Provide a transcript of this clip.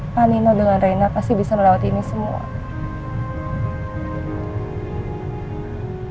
panino dengan rena pasti bisa melewati kesedihan yang begitu besar